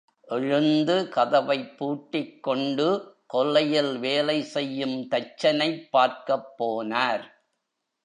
எழுந்து கதவைப்பூட்டிக்கொண்டு கொல்லையில் வேலை செய்யும் தச்சனைப் பார்க்கப் போனார்.